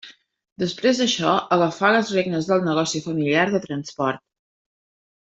Després d'això agafà les regnes del negoci familiar de transport.